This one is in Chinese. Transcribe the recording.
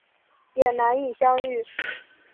也难以相遇